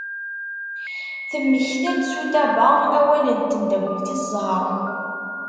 Temekta-d Sudaba awalen n temdakelt-is Zahra.